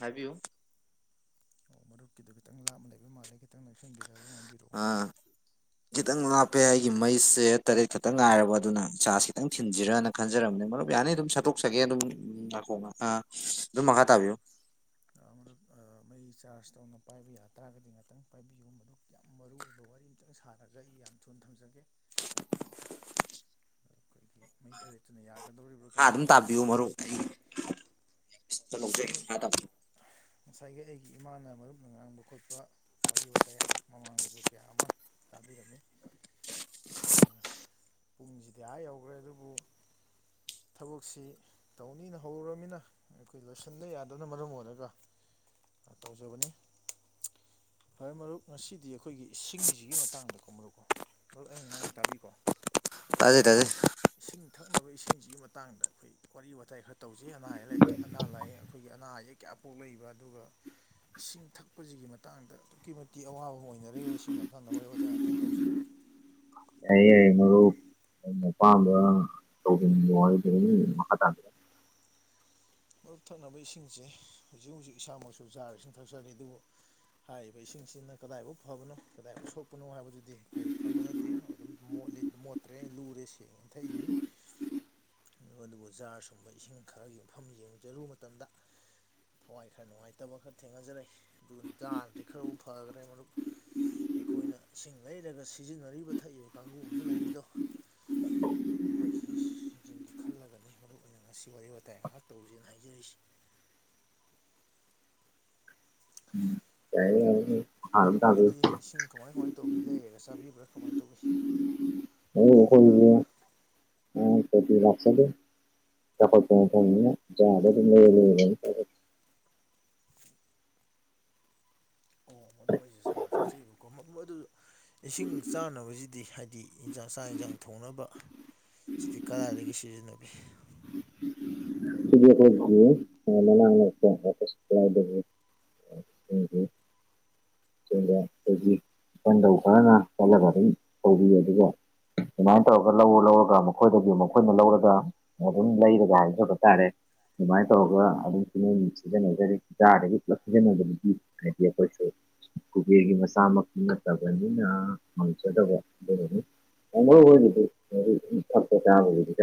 ꯍꯥꯏꯕꯤꯌꯨ ꯑꯣ ꯃꯔꯨꯞꯀꯤꯗꯨ ꯈꯤꯇꯪ ꯂꯥꯞꯅ ꯂꯩꯕ ꯃꯥꯜꯂꯦ ꯈꯤꯇꯪ ꯅꯪꯁꯟꯕꯤꯔꯒ ꯉꯥꯡꯕꯤꯔꯛꯑꯣ ꯑꯥ ꯈꯤꯇꯪ ꯂꯥꯞꯄꯦ ꯑꯩꯒꯤ ꯃꯩꯁꯦ ꯇꯔꯦꯠ ꯈꯛꯇꯪ ꯉꯥꯏꯔꯕ ꯑꯗꯨꯅ ꯆꯥꯁ ꯈꯤꯇꯪ ꯊꯤꯟꯖꯤꯔꯅ ꯈꯟꯖꯔꯝꯕꯅꯦ ꯃꯔꯨꯞ ꯌꯥꯅꯤ ꯑꯗꯨꯝ ꯁꯠꯇꯣꯛꯆꯒꯦ ꯑꯗꯨꯝ ꯉꯥꯏꯈꯣ ꯉꯥꯛꯇꯥ ꯗꯨꯝ ꯃꯈꯥ ꯇꯥꯕꯤꯌꯨ ꯑ ꯃꯔꯨꯞ ꯑ ꯃꯩ ꯆꯥꯔꯖ ꯇꯧꯅ ꯄꯥꯏꯕ ꯌꯥ ꯇꯥꯔꯒꯗꯤ ꯉꯥꯇꯪ ꯄꯥꯏꯕꯤꯌꯨ ꯃꯗꯨ ꯌꯥꯝ ꯃꯔꯨ ꯑꯣꯏꯕ ꯋꯥꯔꯤ ꯑꯝꯇꯪ ꯁꯥꯥꯔꯒ ꯑꯩ ꯌꯥꯝ ꯊꯨꯟ ꯊꯝꯖꯒꯦ [unintelligible] ꯑꯩꯈꯣꯏꯒꯤ ꯃꯩ ꯇꯔꯦꯠꯇꯨꯅ ꯌꯥꯒꯗꯧꯔꯤꯕ꯭ꯔꯥ ꯃꯈꯥ ꯀꯃꯥꯏꯟ ꯑꯗꯨꯝ ꯇꯧꯕꯅꯣ ꯃꯔꯨꯞ [unintelligible] ꯆ ꯂꯧꯖꯒꯦ ꯃꯔꯨꯞ ꯃꯈꯥ ꯇꯥꯕꯤꯌꯨ ꯉꯁꯥꯏꯒꯤ ꯑꯩꯒꯤ ꯏꯃꯥꯅ ꯃꯔꯨꯞꯅ ꯉꯥꯡꯕ ꯈꯣꯠꯄ ꯋꯥꯔꯤ ꯋꯥꯇꯥꯏ ꯃꯃꯥꯡꯗꯁꯨ ꯀꯌꯥ ꯑꯃ ꯇꯥꯕꯤꯔꯝꯃꯤ ꯑꯥ ꯄꯨꯡꯁꯤꯗꯤ ꯑ ꯌꯧꯈ꯭ꯔꯦ ꯑꯗꯨꯕꯨ ꯊꯕꯛꯁꯤ ꯇꯧꯅꯤꯅ ꯍꯧꯔꯃꯤꯅ ꯑꯩꯈ ꯑꯣꯏ ꯂꯣꯏꯁꯤꯟꯕ ꯌꯥꯗꯕꯅ ꯃꯔꯝ ꯑꯣꯏꯔꯒ ꯇꯧꯖꯕꯅꯤ ꯐꯔꯦ ꯃꯔꯨꯞ ꯉꯁꯤꯗꯤ ꯑꯩꯈꯣꯏꯒꯤ ꯏꯁꯤꯡꯁꯤꯒꯤ ꯃꯇꯥꯡꯗ ꯀꯣ ꯃꯔꯨꯞꯀꯣ ꯃꯔꯨ ꯑꯩꯅ ꯉꯥꯡꯉꯤ ꯇꯥꯕꯤꯀꯣ ꯇꯥꯌꯦ ꯇꯥꯌꯦ ꯏꯁꯤꯡ ꯊꯛꯅꯕ ꯏꯁꯤꯡꯁꯤꯒꯤ ꯃꯇꯥꯡꯗ ꯑꯩꯈꯣꯏ ꯋꯥꯔꯤ ꯋꯥꯇꯥꯏ ꯈꯔ ꯇꯧꯖꯤ ꯑꯅꯥ ꯍꯥꯏꯌꯜꯂꯛꯀꯦ ꯑꯅꯥ ꯂꯥꯏꯌꯦꯡ ꯑꯈꯣꯏꯒꯤ ꯑꯅꯥ ꯑꯌꯦꯛ ꯀꯌꯥ ꯄꯣꯛꯂꯛꯏꯕ ꯑꯗꯨꯒ ꯏꯁꯤꯡ ꯊꯛꯄꯁꯤꯒꯤ ꯃꯇꯥꯡꯗ ꯑꯗꯨꯛꯀꯤ ꯃꯇꯤꯛ ꯑꯋꯥꯕ ꯑꯃ ꯑꯣꯏꯅꯔꯦ ꯁꯤ ꯃꯇꯥꯡꯗ ꯋꯥꯔꯤ ꯋꯥꯇꯥꯏ ꯑꯥꯛꯇꯪ ꯇꯧꯖꯤ ꯃꯔꯨꯞ ꯌꯥꯏꯌꯦ ꯌꯥꯏꯌꯦ ꯃꯔꯨꯞ ꯅꯪꯅ ꯑꯄꯥꯝꯕ ꯇꯧꯖꯅꯤꯡꯕ ꯋꯥꯔꯤꯗꯨꯅꯤ ꯃꯈꯥ ꯇꯥꯕꯤꯌꯨ ꯃꯔꯨꯞ ꯊꯛꯅꯕ ꯏꯁꯤꯡꯁꯦ ꯍꯧꯖꯤꯛ ꯍꯧꯖꯤꯛ ꯏꯁꯥꯃꯛꯁꯨ ꯖꯥꯔ ꯏꯁꯤꯡ ꯊꯛꯆꯔꯤ ꯑꯗꯨꯕꯨ ꯍꯥꯏꯔꯤꯕ ꯏꯁꯤꯡꯁꯤꯅ ꯀꯗꯥꯏꯐꯥꯎ ꯐꯕꯅꯣ ꯀꯗꯥꯏꯐꯧ ꯁꯣꯛꯄꯅꯣ ꯍꯥꯏꯕꯗꯨꯗꯤ ꯑꯩꯈꯣꯏ ꯈꯪꯕꯅꯠ ꯇꯦꯡ ꯑꯗꯨꯝ ꯃꯣꯠꯂꯤ ꯃꯣꯠꯇ꯭ꯔꯦ ꯂꯨꯔꯦ ꯁꯦꯡꯉꯦꯅ ꯊꯛꯏꯝꯃꯤ꯫ ꯑꯗꯨꯕꯨ ꯖꯥꯔ ꯁꯨꯝꯕ ꯏꯁꯤꯡ ꯈꯔꯒꯤ ꯃꯐꯝ ꯌꯦꯡꯖꯔꯨꯕ ꯃꯇꯝꯗ ꯊꯋꯥꯏ ꯈꯔ ꯅꯨꯡꯉꯥꯏꯇꯕ ꯈꯔ ꯊꯦꯡꯅꯖꯔꯛꯏ ꯑꯗꯨꯒ ꯗꯥꯥꯥꯟꯗꯤ ꯈꯔꯕꯨ ꯐꯈ꯭ꯔꯦ ꯃꯔꯨꯞ ꯑꯩꯈꯣꯏꯅ ꯏꯁꯤꯡ ꯂꯩꯔꯒ ꯁꯤꯖꯤꯟꯅꯔꯤꯕ ꯊꯛꯏꯕ ꯀꯥꯡꯕꯨ ꯑꯃꯁꯨ ꯂꯩꯔꯤꯗꯣ ꯃꯈꯣꯏꯁꯤꯡꯖꯤꯒꯤ ꯈꯜꯂꯒꯅꯤ ꯃꯔꯨ ꯑꯣꯏꯅ ꯉꯁꯤ ꯋꯥꯔꯤ ꯋꯥꯇꯥꯏ ꯉꯍꯥꯛ ꯇꯧꯁꯦꯅ ꯍꯥꯏꯖꯔꯤꯁꯤ [inaudible] ꯌꯥꯏꯌꯦ ꯌꯥꯏꯌꯦ ꯃꯔꯨꯞ ꯃꯈꯥ ꯑꯗꯨꯝ ꯇꯥꯕꯤꯌꯨ ꯃꯔꯨꯞꯍꯣꯏꯗꯤ ꯏꯁꯤꯡ ꯀꯃꯥꯏ ꯀꯃꯥꯏ ꯇꯧꯕꯤ ꯂꯩꯔꯒ ꯆꯥꯕꯤꯕ꯭ꯔꯥ ꯀꯃꯥꯏꯅ ꯇꯧꯏ [unintelligible] ꯆꯥꯎꯈꯠꯄ ꯃꯐꯝꯅꯤꯅ‌ ꯖꯥꯔꯗꯣ ‌ ꯑꯗꯨꯝ‌ ‌ꯂꯩꯔ‌‌ ꯂꯩꯔ ꯑꯗꯨꯝ ꯑꯣ ꯃꯔꯨꯞ ꯍꯣꯏꯁꯨ ‌ꯖꯥꯔ ꯊꯛꯆꯩꯕꯀꯣ ꯃꯗꯨ ꯏꯁꯤꯡ ꯆꯥꯅꯕꯁꯤꯗꯤ ꯍꯥꯏꯗꯤ ꯏꯟꯁꯥꯡ ꯆꯥꯛ ꯏꯟꯁꯥꯡ ꯊꯣꯡꯅꯕ ꯁꯤꯗꯤ ꯀꯗꯥꯏꯗꯒꯤ ꯁꯤꯖꯤꯟꯅꯕꯤ [unintelligible] [unintelligible] ꯏꯄꯟꯗꯧ ꯈꯔꯅ ꯆꯠꯂꯅꯕ ꯑꯗꯨꯝ ꯇꯧꯕꯤ ꯑꯗꯨꯒ ꯑꯗꯨꯃꯥꯏꯅ ꯇꯧꯔꯒ ꯂꯧꯔ ꯂꯧꯔꯒ ꯃꯈꯣꯏꯗꯒꯤ ꯃꯈꯣꯏꯅ ꯂꯧꯔꯒ ꯑꯗꯨꯝ ꯂꯩꯔꯒ‌ꯍꯥꯏꯖꯕ ꯇꯥꯔꯦ ꯑꯗꯨꯃꯥꯏꯅ ꯇꯧꯔꯒ ꯑꯗꯨꯝ ꯁꯤꯖꯤꯟꯅꯖꯔꯤ ꯖꯥꯔꯗꯒꯤ ꯄꯨꯂꯞ ꯁꯤꯖꯤꯟꯅꯕꯗꯨꯗꯤ ꯍꯥꯏꯗꯤ ꯑꯩꯈꯣꯏꯁꯨ ꯀꯨꯕꯤꯔꯒꯤ ꯃꯆꯥꯃꯛꯇꯤ ꯅꯠꯇꯕꯅꯤꯅ ꯉꯝꯖꯗꯕ ꯑꯗꯨꯒꯤꯅꯤ [unintelligible] ꯑꯩꯈꯣꯏꯒꯤꯗꯤ ꯊꯛꯄ ꯆꯥꯕꯕꯨꯗꯤ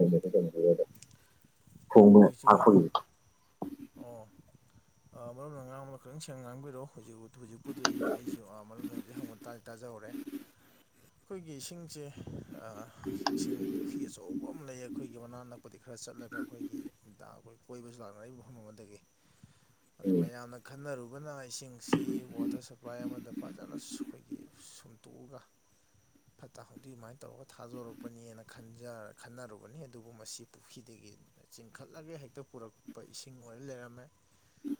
[unintelligible] ꯊꯣꯉꯕ‌‌ ꯑꯩꯈꯣꯏꯁꯨ ‌ꯊꯥꯡꯄꯒꯤ ꯑꯣ ꯃꯔꯨꯞꯅ ꯉꯥꯡꯕꯗ ꯈꯤꯇꯪ ꯁꯦꯡꯅ ꯉꯥꯡꯕꯤꯔꯛꯑꯣ ꯍꯧꯖꯤꯛ ꯍꯧꯖꯤꯛꯄꯨꯗꯤ ꯑꯩꯁꯤ ꯃꯔꯨꯞꯅ ꯍꯧꯖꯤꯛ ꯍꯪꯕ ꯇꯥꯏ ꯇꯥꯖꯍꯧꯔꯦ ꯑꯩꯈꯣꯏꯒꯤ ꯏꯁꯤꯡꯁꯦ ꯏꯁꯤꯡ ꯄꯨꯈ꯭ꯔꯤ ꯑꯆꯧꯕ ꯑꯃ ꯂꯩ ꯑꯩꯈꯣꯏꯒꯤ ꯃꯅꯥꯛ ꯅꯛꯄꯗꯤ ꯈꯔ ꯆꯠꯂꯦꯕ ꯑꯩꯈꯣꯏꯒꯤ ꯀꯣꯏꯕꯁꯨ ꯂꯥꯛꯅꯔꯤꯕ ꯃꯐꯝ ꯑꯃꯗꯒꯤ ꯑꯗꯨ ꯎꯝ ꯃꯌꯥꯝꯅ ꯈꯟꯅꯔꯨꯕꯅ ꯏꯁꯤꯡꯁꯤ ꯋꯥꯇꯔ ꯁꯄ꯭ꯂꯥꯏ ꯑꯃꯗ ꯐꯖꯅ ꯑꯩꯈꯣꯏꯒꯤ ꯁꯨꯝꯇꯣꯛꯑꯒ ꯐꯠꯇ ꯍꯥꯎꯊꯤ ꯑꯗꯨꯃꯥꯏꯅ ꯇꯧꯔꯒ ꯊꯥꯗꯣꯔꯛꯄꯅꯤꯅ ꯈ‌ꯟꯖ ꯈꯟꯅꯔꯨꯕꯅꯤ ꯑꯗꯨꯕꯨ ꯃꯁꯤ ꯄꯨꯈ꯭ꯔꯤꯗꯒꯤ ꯆꯤꯡꯈꯠꯂꯒ ꯍꯦꯛꯇ ꯄꯨꯔꯛꯄ ꯏꯁꯤꯡ ꯑꯣꯏꯅ ꯂꯩꯔꯝꯃꯦ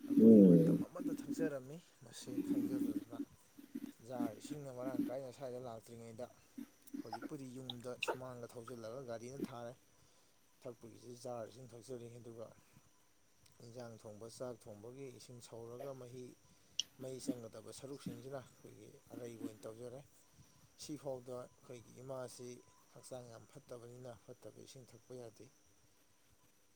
ꯑꯩꯈꯣꯏ ꯎꯝ ꯃꯇꯝ ꯑꯃꯗ ꯊꯛꯆꯔꯝꯃꯤ ꯃꯁꯤ ꯈꯪꯖꯗꯗꯅ ꯖꯥꯔ ꯏꯁꯤꯡꯅ ꯃꯔꯥꯡ ꯀꯥꯏꯅ ꯁ꯭ꯋꯥꯏꯗ ꯂꯥꯛꯇ꯭ꯔꯤꯉꯩꯗ ꯍꯧꯖꯤꯛꯄꯨꯗꯤ ꯌꯨꯝꯗ ꯁꯨꯃꯥꯡꯗ ꯊꯧꯖꯤꯜꯂꯒ ꯒꯥꯔꯤꯅ ꯊꯥꯔꯦ ꯊꯛꯄꯒꯤꯁꯨ ꯖꯥꯔ ꯏꯁꯤꯡ ꯊꯛꯆꯔꯤ ꯑꯗꯨꯒ ꯏꯟꯁꯥꯡ ꯊꯣꯡꯕ ꯆꯥꯛ ꯊꯣꯡꯕꯒꯤ ꯏꯁꯤꯡ ꯁꯧꯔꯒ ꯃꯍꯤ ꯃꯩ ꯆꯪꯒꯗꯕ ꯁꯔꯨꯛꯁꯤꯡꯁꯤꯅ ꯑꯩꯈꯣꯏꯒꯤ ꯑꯔꯩꯕ ꯑꯣꯏꯅ ꯇꯧꯖꯔꯦ ꯁꯤꯐꯥꯎꯗ ꯑꯩꯈꯣꯏꯒꯤ ꯏꯃꯥꯁꯤ ꯍꯛꯆꯥꯡ ꯌꯥꯝ ꯐꯠꯇꯕꯅꯤꯅ ꯐꯠꯇꯕ ꯏꯁꯤꯡ ꯊꯛꯄ ꯌꯥꯗꯦ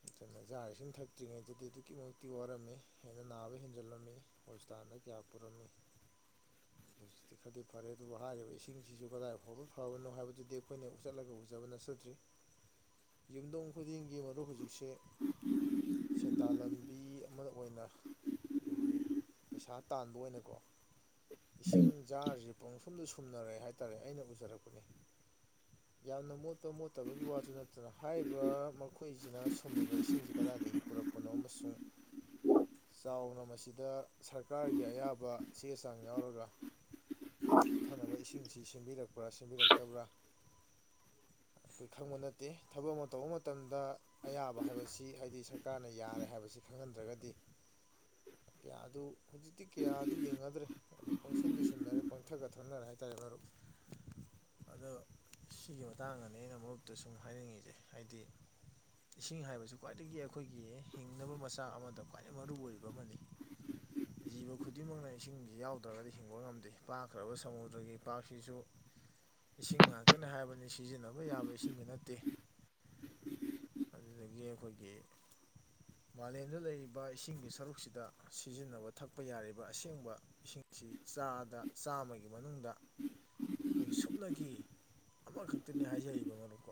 ꯑꯗꯨꯅ ꯖꯥꯔ ꯏꯁꯤꯡ ꯊꯛꯇ꯭ꯔꯤꯉꯩꯗꯗꯤ ꯑꯗꯨꯛꯀꯤ ꯃꯇꯤꯛ ꯋꯥꯔꯝꯃꯤ ꯍꯦꯟꯅ ꯅꯥꯕ ꯍꯦꯟꯖꯜꯂꯝꯃꯤ ꯍꯣꯁꯄꯤꯇꯥꯜꯗ ꯀꯌꯥ ꯄꯨꯔꯝꯃꯤ ꯍꯧꯖꯥꯛ ꯈꯔꯗꯤ ꯐꯔꯦ ꯑꯗꯨꯕꯨ ꯍꯥꯏꯔꯤꯕ ꯏꯁꯤꯡꯁꯤꯁꯨ ꯀꯗꯥꯏ ꯐꯥꯎꯕ ꯐꯕꯅꯣ ꯍꯥꯏꯕꯗꯨꯗꯤ ꯑꯩꯈꯣꯏꯅ ꯆꯠꯂꯒ ꯎꯖꯕ ꯅꯠꯆꯗ꯭ꯔꯤ ꯌꯨꯝꯗꯣꯡ ꯈꯨꯗꯤꯡꯒꯤ ꯃꯔꯨꯞ ꯍꯧꯖꯤꯛꯁꯦ ꯁꯦꯟꯗꯥꯟ ꯂꯝꯕꯤ ꯑꯃꯅ ꯑꯣꯏꯅ ꯑꯩꯈꯣꯏꯒꯤ ꯄꯩꯁꯥ ꯇꯥꯟꯕ ꯑꯣꯏꯅꯀꯣ ꯏꯁꯤꯡ ꯖꯥꯔꯖꯦ ꯄꯨꯡꯁꯨꯝꯗ ꯁꯨꯝꯅꯔꯦ ꯍꯥꯏꯇꯥꯔꯦ ꯑꯩꯅ ꯎꯖꯔꯛꯄꯅꯤ ꯌꯥꯝꯅ ꯃꯣꯠꯄ ꯃꯣꯠꯇꯕꯒꯤ ꯋꯥꯁꯨ ꯅꯠꯇꯅ ꯍꯥꯏꯔꯤꯕ ꯃꯈꯨ ꯑꯩꯈꯣꯏꯖꯤꯅ ꯁꯨꯝꯃꯤꯕ ꯏꯁꯤꯡꯖꯤ ꯀꯗꯥꯏꯗꯒꯤ ꯄꯨꯔꯛꯄꯅꯣ ꯑꯃꯁꯨꯡ ꯆꯥꯎꯅ ꯃꯁꯤꯗ ꯁꯔꯀꯥꯔꯒꯤ ꯑꯌꯥꯕ ꯆꯦ ꯆꯥꯡ ꯌꯥꯎꯔꯒ ꯊꯛꯅꯕ ꯏꯁꯤꯡꯁꯤ ꯁꯦꯝꯕꯤꯔꯛꯄ꯭ꯔꯥ ꯁꯦꯝꯕꯤꯔꯛꯇꯕ꯭ꯔꯥ ꯑꯩꯈꯣꯏ ꯈꯪꯕ ꯅꯠꯇꯦ ꯊꯕꯛ ꯑꯃ ꯇꯧꯕ ꯃꯇꯝꯗ ꯑꯌꯥꯕ ꯍꯥꯏꯕꯁꯤ ꯍꯥꯏꯗꯤ ꯁꯔꯀꯥꯔꯅ ꯌꯥꯔꯦ ꯍꯥꯏꯕꯁꯤ ꯈꯪꯍꯟꯗ꯭ꯔꯒꯗꯤ ꯀꯌꯥ ꯑꯗꯨ ꯍꯧꯖꯤꯛꯇꯤ ꯀꯌꯥ ꯑꯗꯨ ꯌꯦꯡꯅꯗ꯭ꯔꯦ ꯑꯗꯨ ꯄꯪꯁꯨꯝꯗꯨ ꯁꯨꯝꯅꯔꯦ ꯄꯪꯊꯛꯇ ꯊꯛꯅꯔꯦ ꯍꯥꯏꯇꯥꯔꯦ ꯃꯔꯨꯞ ꯑꯗꯣ ꯁꯤꯒꯤ ꯃꯇꯥꯡꯗꯅꯤ ꯑꯩꯅ ꯃꯔꯨꯞꯇ ꯁꯨꯝ ꯍꯥꯏꯅꯤꯡꯉꯤꯖꯦ ꯍꯥꯏꯗꯤ ꯏꯁꯤꯡ ꯍꯥꯏꯕꯁꯤ ꯈ꯭ꯋꯥꯏꯗꯒꯤ ꯑꯩꯈꯣꯏꯒꯤ ꯍꯤꯡꯅꯕ ꯃꯆꯥꯛ ꯑꯃꯗ ꯈ꯭ꯋꯥꯏꯗꯒꯤ ꯃꯔꯨꯑꯣꯏꯕ ꯑꯃꯅꯤ ꯖꯤꯕ ꯈꯨꯗꯤꯡꯃꯛꯅ ꯏꯁꯤꯡꯖꯤ ꯌꯥꯎꯗ꯭ꯔꯒꯗꯤ ꯍꯤꯡꯕ ꯉꯝꯗꯦ ꯄꯥꯛꯈ꯭ꯔꯕ ꯁꯃꯨꯗ꯭ꯔꯒꯤ ꯏꯄꯥꯛꯁꯤꯁꯨ ꯏꯁꯤꯡ ꯉꯥꯛꯇꯅꯤ ꯍꯥꯏꯕꯅꯤ ꯁꯤꯖꯤꯟꯅꯕ ꯌꯥꯕ ꯏꯁꯤꯡꯗꯤ ꯅꯠꯇꯦ ꯑꯗꯨꯗꯒꯤ ꯑꯩꯈꯣꯏꯒꯤ ꯃꯥꯂꯦꯝꯗ ꯂꯩꯔꯤꯕ ꯏꯁꯤꯡꯒꯤ ꯁꯔꯨꯛꯁꯤꯗ ꯁꯤꯖꯤꯟꯅꯕ ꯊꯛꯄ ꯌꯥꯔꯤꯕ ꯑꯁꯦꯡꯕ ꯏꯁꯤꯡꯁꯤ ꯆꯥꯗ ꯆꯥꯝꯃꯒꯤ ꯃꯅꯨꯡꯗ ꯑꯩꯈꯣꯏꯒꯤ ꯁꯨꯞꯅꯒꯤ ꯑꯃꯈꯛꯇꯅꯤ ꯍꯥꯏꯖꯔꯤꯕ ꯃꯔꯨꯞꯀꯣ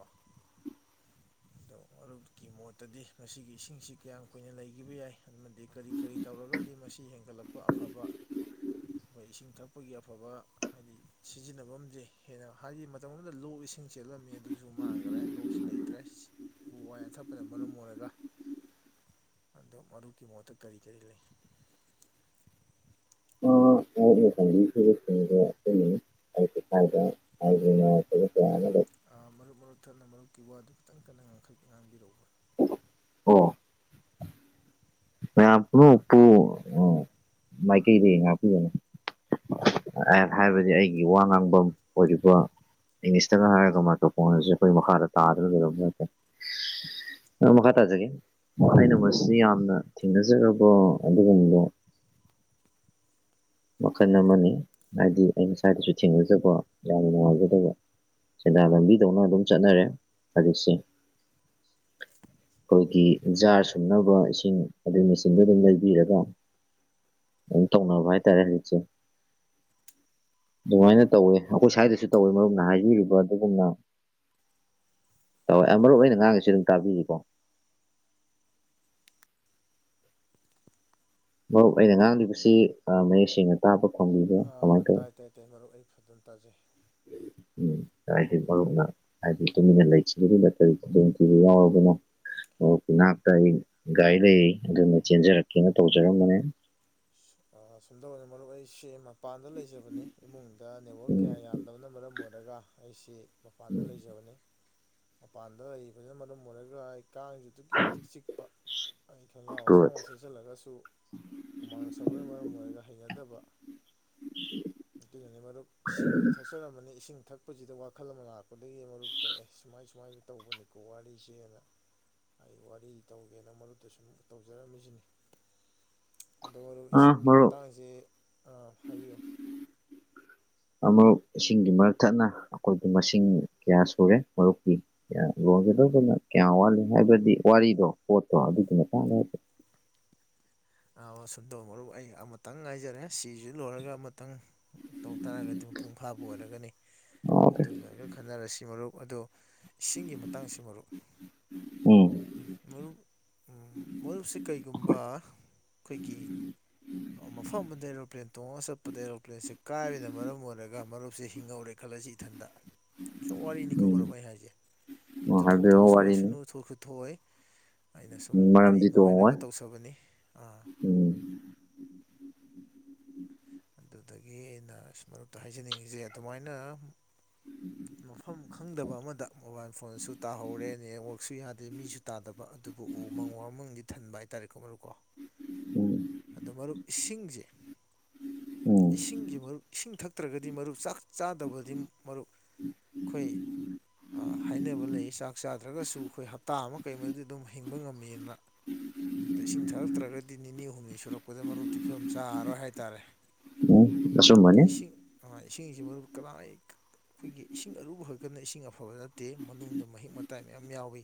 ꯑꯗꯣ ꯃꯔꯨꯞꯀꯤ ꯃꯣꯠꯇꯗꯤ ꯃꯁꯤꯒꯤ ꯏꯁꯤꯡꯁꯤ ꯀꯌꯥꯝ ꯀꯨꯏꯅ ꯂꯩꯈꯤꯕ ꯌꯥꯏ ꯑꯃꯗꯤ ꯀꯔꯤ ꯀꯔꯤ ꯇꯧꯔꯒꯗꯤ ꯃꯁꯤ ꯍꯦꯟꯒꯠꯂꯛꯄ ꯑꯐꯕ ꯑꯩꯈꯣꯏ ꯏꯁꯤꯡ ꯊꯛꯄꯒꯤ ꯑꯐꯕ ꯍꯥꯏꯗꯤ ꯁꯤꯖꯤꯟꯅꯕꯝꯖꯦ ꯍꯦꯟꯅ ꯍꯥꯏꯗꯤ ꯃꯇꯝ ꯑꯃꯗ ꯂꯣꯛ ꯏꯁꯤꯡ ꯆꯦꯜꯂꯝꯃꯤ ꯑꯗꯨꯖꯨ ꯃꯥꯡꯒ꯭ꯔꯦ ꯂꯣꯛꯁꯨ ꯂꯩꯇ꯭ꯔꯦꯁ ꯎ ꯋꯥ ꯌꯥꯟꯊꯠꯄꯅ ꯃꯔꯝ ꯑꯣꯏꯔꯒ ꯑꯗꯨ ꯃꯔꯨꯞꯀꯤ ꯃꯣꯠꯇ ꯀꯔꯤ ꯀꯔꯤ ꯂꯩ [unintelligible] ꯑ ꯃꯔꯨꯞ ꯃꯔꯨꯞ ꯊꯠꯅ ꯃꯔꯨꯞꯀꯤ ꯋꯥꯗꯨ ꯈꯤꯇꯪ ꯀꯟꯅ ꯉꯥꯡꯈꯠ ꯉꯥꯡꯕꯤꯔꯛꯎꯕ ꯑꯣ ꯃꯌꯥꯝ ꯄꯨꯝꯅꯃꯛꯄꯨ ꯑ ꯃꯥꯏꯀꯩꯗꯩ ꯉꯥꯛꯄꯤꯒꯅꯤ [unintelligible] ꯍꯥꯏꯕꯗꯤ ꯑꯩꯒꯤ ꯋꯥ ꯉꯥꯡꯕꯝ ꯑꯣꯏꯔꯤꯕ ꯏꯪꯂꯤꯁꯇꯒ ꯍꯥꯏꯔꯒ ꯃꯥꯏꯀꯔꯐꯣꯟ ꯑꯁꯤ ꯑꯩꯈꯣꯏ ꯃꯈꯥꯗ [unintelligible] ꯊꯦꯡꯅꯖꯔꯕ ꯑꯗꯨꯒꯨꯝꯕ [inaudible] ꯃꯈꯟ ꯑꯃꯅꯤ ꯍꯥꯏꯗꯤ ꯑꯩꯅ ꯁꯥꯏꯗꯖꯨ ꯊꯦꯡꯅꯖꯕ ꯌꯥꯝꯅ ꯅꯨꯡꯉꯥꯏꯖꯗꯕ ꯁꯦꯟꯗꯥꯟ ꯂꯝꯕꯤꯗꯧꯅ ꯑꯗꯨꯝ ꯆꯠꯅꯔꯦ ꯍꯧꯖꯤꯛꯁꯦ [inaudible] ꯑꯩꯈꯣꯏꯒꯤ ꯖꯥꯔ ꯁꯨꯝꯅꯕ ꯏꯁꯤꯡ ꯑꯗꯨꯏ ꯃꯦꯆꯤꯟꯗꯣ ꯑꯗꯨꯝ ꯂꯩꯕꯤꯔꯒ ꯑꯗꯨꯝ ꯇꯧꯅꯕ ꯍꯥꯏꯇꯥꯔꯦ ꯍꯧꯖꯤꯛꯁꯦ ꯑꯗꯨꯃꯥꯏꯅ ꯇꯧꯋꯦ ꯑꯩꯈꯣꯏ ꯁ꯭ꯋꯥꯏꯗꯁꯨ ꯇꯧꯋꯦ ꯃꯔꯨꯞꯅ ꯍꯥꯏꯕꯤꯔꯤꯕ ꯑꯗꯨꯒꯨꯝꯅ ꯇꯧꯋꯦ ꯃꯔꯨꯞ ꯑꯩꯅ ꯉꯥꯡꯉꯤꯁꯦ ꯑꯗꯨꯝ ꯇꯥꯕꯤꯔꯤꯀꯣ ꯑꯔꯨꯞ ꯑꯩꯅ ꯉꯥꯡꯂꯤꯕꯁꯤ ꯑ ꯃꯌꯦꯛ ꯁꯦꯡꯅ ꯇꯥꯕ ꯐꯪꯕꯤ ꯑ ꯇꯥꯏ ꯇꯥꯏ ꯇꯥꯏ ꯃꯔꯨꯞ ꯑꯩ ꯐꯖꯅ ꯇꯥꯖꯩ ꯎꯝ ꯇꯥꯏꯗꯤ ꯃꯔꯨꯞꯅ ꯍꯥꯏꯗꯤ ꯇꯨꯃꯤꯟꯅ ꯂꯩꯈꯤꯕꯗꯨꯗ ꯀꯔꯤ ꯈꯨꯗꯣꯡꯇꯤꯕ ꯌꯥꯎꯔꯕꯅꯣ ꯑꯣ ꯅꯥꯛꯇ ꯑꯩ ꯒꯥꯔꯤ ꯂꯩ ꯑꯗꯨꯅ ꯆꯦꯟꯖꯔꯛꯀꯦꯅ ꯇꯧꯖꯔꯝꯕꯅꯦ ꯑ ꯁꯨꯝꯗ ꯑꯣꯏꯅ ꯃꯔꯨꯞ ꯑꯩ ꯁꯤ ꯃ ꯄꯥꯟꯗ ꯂꯩꯖꯕꯅꯤ ꯏꯃꯨꯡꯗ ꯅꯦꯠꯋꯥꯛ ꯀꯌꯥ ꯌꯥꯗꯕꯅ ꯃꯔꯝ ꯑꯣꯏꯔꯒ ꯑꯩꯁꯤ ꯃꯄꯥꯟꯗ ꯂꯩꯖꯕꯅꯤ ꯃꯄꯥꯟꯗ ꯂꯩꯕꯗꯨꯅ ꯃꯔꯝ ꯑꯣꯏꯔꯒ ꯑꯩ ꯀꯥꯡꯁꯨ ꯑꯗꯨꯛꯀꯤ ꯃꯇꯤꯛ ꯆꯤꯛꯄ ꯑꯩ ꯈꯡꯒꯥꯎ ꯒꯨꯗ ꯑꯁꯥꯡꯕ ꯁꯦꯠꯆꯜꯂꯒꯁꯨ ꯍꯨꯃꯥꯡ ꯁꯧꯕꯅ ꯃꯔꯝ ꯑꯣꯏꯔꯒ ꯍꯩꯅꯗꯕ ꯑꯗꯨꯅꯅꯤ ꯃꯔꯨꯞ ꯏꯁꯤꯡꯁꯨ ꯊꯛꯆꯔꯝꯃꯅꯤ ꯏꯁꯤꯡ ꯊꯛ ꯄꯨꯟꯁꯤꯗ ꯋꯥꯈꯜ ꯑꯃ ꯂꯥꯛꯄꯗꯒꯤ ꯃꯔꯨꯞ ꯇꯣꯛꯑꯦ ꯁꯨꯃꯥꯏ ꯁꯨꯃꯥꯏꯁꯨ ꯇꯧꯕꯅꯤꯀꯣ ꯋꯥꯔꯤꯁꯦꯅ ꯑꯩ ꯋꯥꯔꯤ ꯇꯧꯒꯦꯅ ꯃꯔꯨꯞꯇ ꯁꯨꯝ ꯇꯧꯖꯔꯝꯃꯤꯁꯤꯅꯤ ꯑꯗꯣ ꯑꯣꯏ ꯑ ꯏꯁꯤꯡꯒꯤ ꯃꯔꯨꯞ ꯃꯇꯥꯡꯁꯦ ꯑꯥ ꯐꯩꯌꯦ ꯑꯃ ꯏꯁꯤꯡꯒꯤ ꯃꯔꯛ ꯊꯠꯅ ꯑꯩꯈꯣꯏꯒꯤ ꯃꯁꯤꯡ ꯀꯌꯥ ꯁꯨꯔꯦ ꯃꯔꯨꯞꯀꯤ ꯌꯣꯟꯒꯗꯧꯕꯅ ꯀꯌꯥꯝ ꯋꯥꯠꯂꯤ ꯍꯥꯏꯕꯗꯤ ꯋꯥꯔꯤꯗꯣ ꯄꯣꯠꯇꯣ ꯑꯗꯨꯒꯤ ꯃꯇꯥꯡꯗ ꯍꯥꯏꯕ [inaudible] ꯑꯥ ꯁꯨꯝꯗꯧ ꯃꯔꯨꯞ ꯑꯩ ꯑꯃꯇꯪ ꯉꯥꯏꯖꯔꯦ ꯁꯤꯁꯤ ꯂꯣꯏꯔꯒ ꯑꯃ ꯈꯤꯇꯪ ꯇꯧ ꯇꯥꯔꯒꯗꯤ ꯃꯄꯨꯡ ꯐꯥꯕ ꯑꯣꯏꯔꯒꯅꯤ ꯑꯗꯨ ꯍꯥꯏꯐꯦꯠ ꯂꯣꯏꯔꯒ ꯈꯟꯅꯔꯁꯤ ꯃꯔꯨꯞ ꯑꯗꯨ ꯎꯝ ꯃꯔꯨꯞ ꯃꯔꯨꯞꯁꯤ ꯀꯔꯤꯒꯨꯝꯕ ꯑꯩꯈꯣꯏꯒꯤ ꯃꯐꯝ ꯑꯃꯗꯩ ꯑꯦꯔꯣꯄ꯭ꯂꯦꯟ ꯇꯣꯡꯉꯒ ꯆꯠꯄꯗ ꯑꯦꯔꯣꯄ꯭ꯂꯦꯟꯁꯦ ꯀꯥꯏꯕꯅ ꯃꯔꯝ ꯑꯣꯏꯔꯒ ꯃꯔꯨꯞꯁꯦ ꯍꯤꯡꯍꯧꯔꯦ ꯈꯜꯂꯁꯤ ꯏꯊꯟꯗ ꯁꯨꯡ ꯋꯥꯔꯤꯅꯤꯀꯣ ꯃꯔꯨꯞ ꯎꯝ ꯑꯩꯅ ꯍꯥꯏꯁꯦ ꯑꯣ ꯑꯗꯨ ꯍꯥꯏꯕꯤꯔꯛꯑꯣ ꯊꯣꯛꯇꯕꯁꯨ ꯋꯥꯔꯤꯅꯤ ꯑꯣꯏꯁꯅꯨ ꯊꯣꯛꯁꯨ ꯊꯣꯛꯑꯣꯏ ꯑꯩꯅ ꯁꯨꯝ ꯎꯝ ꯋꯥꯔꯤ ꯃꯔꯝꯗꯤ ꯇꯣꯡꯉꯣꯏ ꯅꯨꯡꯉꯥꯏꯅꯕ ꯇꯧꯖꯕꯅꯤ ꯑꯥ ꯎꯝ ꯑꯗꯨꯗꯒꯤ ꯑꯩꯅ ꯃꯔꯨꯞꯇ ꯍꯥꯏꯖꯅꯤꯡꯉꯤꯁꯦ ꯑꯗꯨꯃꯥꯏꯅ ꯃꯐꯝ ꯈꯪꯗꯕ ꯑꯃꯗ ꯃꯣꯕꯥꯏꯜ ꯐꯣꯟꯁꯨ ꯇꯥꯍꯧꯔꯦ ꯅꯦꯠꯋꯥꯛꯁꯨ ꯌꯥꯗꯦ ꯃꯤꯁꯨ ꯇꯥꯗꯕ ꯑꯗꯨꯕꯨ ꯎꯃꯪ ꯋꯥꯃꯪꯗꯤ ꯊꯟꯕ ꯍꯥꯏꯇꯥꯔꯦꯀꯣ ꯃꯔꯨꯞꯀꯣ ꯎꯝ ꯑꯗꯣ ꯃꯔꯨꯞ ꯏꯁꯤꯡꯁꯦ ꯎꯝ ꯏꯁꯤꯡꯁꯦ ꯃꯔꯨꯞ ꯏꯁꯤꯡ ꯊꯛ ꯅꯠꯇ꯭ꯔꯒꯗꯤ ꯃꯔꯨꯞ ꯆꯥꯛ ꯆꯥꯗꯕꯗꯤ ꯃꯔꯨꯞ ꯑꯩꯈꯣꯏ ꯍꯥꯏꯅꯕ ꯂꯩ ꯆꯥꯛ ꯆꯥꯗ꯭ꯔꯒꯁꯨ ꯑꯩꯈꯣꯏ ꯍꯞꯇꯥ ꯑꯃ ꯀꯩꯃꯗꯤ ꯑꯗꯨꯝ ꯍꯤꯡꯕ ꯉꯝꯃꯤꯗꯅ ꯏꯁꯤꯡ ꯊꯥꯔꯛꯇ꯭ꯔꯒꯗꯤ ꯅꯤꯅꯤ ꯍꯨꯝꯅꯤ ꯁꯨꯔꯛ ꯁꯨꯔꯛꯄꯗꯤ ꯃꯔꯨꯞꯇꯤ ꯐꯤꯕꯝ ꯆꯥꯔꯔꯣꯏ ꯍꯥꯏꯇꯥꯔꯦ ꯎꯝ ꯑꯗꯨ ꯑꯆꯨꯝꯕꯅꯤ ꯏꯁꯤꯡ ꯏꯡꯤꯡꯁꯤ ꯃꯔꯨꯞ ꯀꯅꯥ ꯂꯩ ꯑꯩꯈꯣꯏꯒꯤ ꯏꯁꯤꯡ ꯑꯔꯨꯕ ꯈꯛꯇꯅ ꯏꯁꯤꯡ ꯑꯐꯕ ꯅꯠꯇꯦ ꯃꯅꯨꯡꯗ ꯃꯍꯤꯛ ꯃꯇꯥꯏ ꯃꯌꯥꯝ ꯌꯥꯎꯏ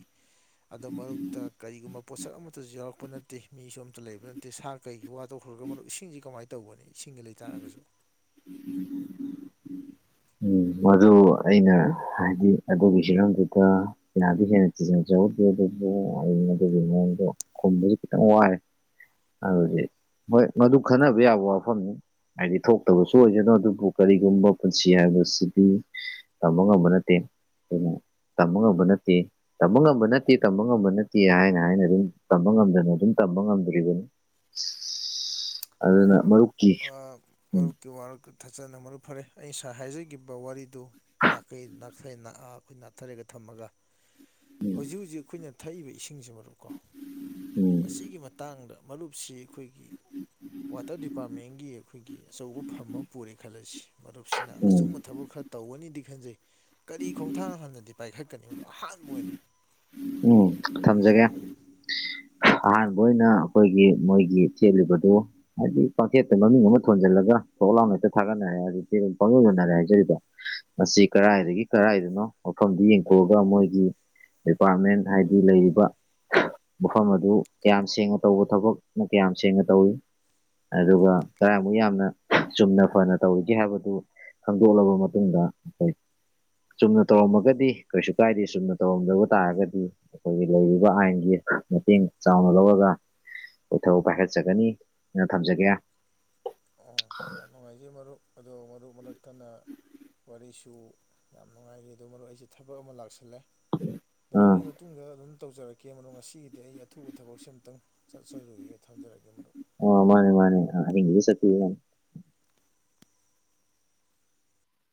ꯑꯗꯨ ꯃꯔꯛꯇ ꯀꯔꯤꯒꯨꯝꯕ ꯄꯣꯠꯁꯛ ꯑꯃꯇꯁꯨ ꯌꯥꯎꯔꯛꯄ ꯅꯠꯇꯦ ꯃꯤꯁꯨ ꯑꯃꯇ ꯂꯩꯕ ꯅꯠꯇꯦ ꯁꯥꯔ ꯀꯩꯒꯤ ꯋꯥ ꯇꯧꯈ꯭ꯔꯒ ꯃꯔꯨꯞ ꯏꯁꯤꯡꯁꯤ ꯀꯃꯥꯏꯅ ꯇꯧꯒꯅꯤ ꯏꯁꯤꯡꯁꯧ ꯂꯩꯇꯥꯥꯔꯒꯁꯨ ꯎꯝ ꯑꯣ ꯑꯩꯅ ꯍꯥꯏꯗꯤ ꯑꯗꯨꯒꯤ ꯍꯤꯔꯝꯗꯨꯗ ꯌꯥꯝꯗꯤ ꯍꯦꯟꯅ ꯊꯤꯖꯤꯟꯗ꯭ꯔꯒꯁꯨ ꯑꯗꯨꯕꯨ ꯑꯗꯨꯒꯤ ꯃꯑꯣꯡꯗꯣ ꯈꯨꯝꯕꯗꯤ ꯈꯤꯇꯪ ꯋꯥꯔꯦ ꯑꯗꯨꯗꯤ ꯍꯣꯏ ꯃꯗꯨ ꯈꯟꯅꯕ ꯌꯥꯕ ꯋꯥꯐꯝꯅꯤ ꯍꯥꯏꯗꯤ ꯊꯣꯛꯇꯕꯁꯨ ꯑꯣꯏꯁꯅꯨ ꯑꯗꯨꯕꯨ ꯀꯔꯤꯒꯨꯝꯕ ꯄꯨꯟꯁꯤ ꯍꯥꯏꯕꯁꯤꯗꯤ ꯇꯝꯕ ꯉꯝꯕ ꯅꯠꯇꯦ ꯑꯗꯨꯅ ꯇꯝꯕ ꯉꯝꯕ ꯅꯠꯇꯦ ꯇꯝꯕ ꯉꯝꯕ ꯅꯠꯇꯦ ꯇꯝꯕ ꯉꯝꯕ ꯅꯠꯇꯦ ꯍꯥꯏꯅ ꯍꯥꯏꯅ ꯑꯗꯨꯝ ꯇꯝꯕ ꯉꯝꯗꯅ ꯑꯗꯨꯝ ꯇꯝꯕ ꯉꯝꯗ꯭ꯔꯤꯕꯅꯤ [inaudible] ꯐꯔꯦ ꯃꯔꯨꯞ ꯃꯔꯨꯞꯀꯤ ꯑꯥ ꯎꯝ ꯃꯔꯨꯞꯇꯤ ꯋꯥꯔ ꯊꯥꯆꯅ ꯃꯔꯨꯞ ꯐꯔꯦ ꯑꯩ ꯉꯁꯥꯏ ꯍꯥꯏꯖꯒꯤꯈꯤꯕ ꯋꯥꯔꯤꯗꯨ ꯅꯥꯀꯩ ꯅꯥꯈꯩ ꯅꯥꯍꯥꯞ ꯅꯥꯊꯩꯔꯒ ꯊꯝꯃꯒ ꯍꯧꯖꯤꯛ ꯍꯧꯖꯤꯛ ꯑꯩꯈꯣꯏꯅ ꯊꯛꯏꯕ ꯏꯁꯤꯡꯁꯤ ꯃꯔꯨꯞꯀꯣ ꯎꯝ ꯃꯁꯤꯒꯤ ꯃꯇꯥꯡꯗ ꯃꯔꯨꯞꯁꯤ ꯑꯩꯈꯣꯏꯒꯤ ꯋꯥꯇꯔ ꯗꯤꯄꯥꯔꯠꯃꯦꯟꯒꯤ ꯑꯩꯈꯣꯏꯒꯤ ꯑꯆꯧꯕ ꯐꯝ ꯑꯃ ꯄꯨꯔꯦ ꯈꯜꯂꯁꯤ ꯃꯔꯨꯞꯁꯤꯅ ꯎꯝ ꯑꯆꯨꯝꯕ ꯊꯕꯛ ꯈꯔ ꯇꯧꯒꯅꯤꯗꯤ ꯐꯦꯟꯖꯩ ꯀꯔꯤ ꯈꯣꯡꯊꯥꯡ ꯍꯥꯟꯅꯗꯤ ꯄꯥꯏꯈꯠꯀꯅꯤ ꯃꯗꯣ ꯑꯍꯥꯟꯕ ꯑꯣꯏꯅ ꯎꯝ ꯊꯝꯖꯒꯦ [unintelligible] ꯑꯍꯥꯟꯕ ꯑꯣꯏꯅ ꯑꯩꯈꯣꯏꯒꯤ ꯃꯣꯏꯒꯤ ꯆꯦꯜꯂꯤꯕꯗꯨ ꯍꯥꯏꯗꯤ ꯄꯥꯡꯊꯦꯠꯇ ꯃꯃꯤꯡ ꯑꯃ ꯊꯣꯟꯖꯜꯂꯒ ꯊꯣꯛꯂꯥꯎꯅ ꯍꯦꯛꯇ ꯊꯥꯒꯠꯅꯔꯦ ꯑꯗꯨꯗꯤ ꯄꯥꯡ ꯅꯣꯟꯗꯔꯦ ꯍꯥꯏꯖꯔꯤꯕ ꯃꯁꯤ ꯀꯔꯥꯏꯗꯒꯤ ꯀꯔꯥꯏꯗꯅꯣ ꯃꯐꯝꯗꯨ ꯌꯦꯡꯊꯣꯛꯑꯒ ꯃꯣꯏ ꯒꯤ ꯗꯤꯄꯥꯔꯠꯃꯦꯟ ꯍꯥꯏꯗꯤ ꯂꯩꯔꯤꯕ ꯃꯐꯝ ꯑꯗꯨ ꯀꯌꯥꯝ ꯁꯦꯡꯅ ꯇꯧꯕ ꯊꯕꯛꯅꯣ ꯀꯌꯥꯝ ꯁꯦꯡꯅ ꯇꯧꯏ ꯑꯗꯨꯒ ꯀꯌꯥꯃꯨꯛ ꯌꯥꯝꯅ ꯆꯨꯝꯅ ꯐꯅ ꯇꯧꯔꯤꯒꯦ ꯍꯥꯏꯕꯗꯨ ꯈꯪꯗꯣꯛꯂꯕ ꯃꯇꯨꯡꯗ ꯑꯩꯈꯣꯏ ꯆꯨꯝꯅ ꯇꯧꯔꯝꯃꯒꯗꯤ ꯀꯩꯁꯨ ꯀꯥꯏꯗꯦ ꯆꯨꯝꯅ ꯇꯧꯔꯝꯗꯕ ꯇꯥꯔꯒꯗꯤ ꯑꯩꯈꯣꯏꯒꯤ ꯂꯩꯔꯤꯕ ꯑꯥꯏꯟꯒꯤ ꯃꯇꯦꯡ ꯆꯥꯎꯅ ꯂꯧꯔꯒ ꯊꯕꯛ ꯄꯥꯏꯈꯠꯆꯒꯅꯤ ꯅ ꯊꯝꯖꯒꯦ ꯑ ꯌꯥꯝ ꯅꯨꯡꯉꯥꯏꯖꯩ ꯃꯔꯨꯞ ꯑꯗꯣ ꯃꯔꯨꯞ ꯃꯔꯛ ꯊꯠꯅ ꯋꯥꯔꯤꯁꯨ ꯌꯥꯝ ꯅꯨꯡꯉꯥꯏꯔꯤ ꯑꯗꯨ ꯃꯔꯨꯞ ꯑꯩꯁꯦ ꯊꯕꯛ ꯑꯃ ꯂꯥꯛꯁꯤꯜꯂꯦ ꯗꯣ ꯃꯔꯨ ꯑꯥ ꯑꯩ ꯃ ꯃꯇꯨꯡꯗ ꯑꯗꯨꯝ ꯇꯧꯖꯔꯛꯀꯦ ꯃꯔꯨꯞ ꯉꯁꯤꯒꯤꯗꯤ ꯑꯩ ꯑꯊꯨꯕ ꯊꯕꯛꯁꯤ ꯑꯝꯇꯪ ꯆꯠꯆꯔꯨꯒꯦ ꯊꯝꯖꯔꯒꯦ ꯃꯔꯨꯞ ꯑꯣ ꯃꯥꯅꯦ ꯃꯥꯅꯦ ꯑ ꯑꯍꯤꯡꯖꯤꯗ ꯆꯠꯄꯤꯌꯨ ꯌꯥꯅꯤ